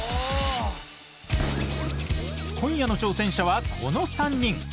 今夜の挑戦者はこの３人！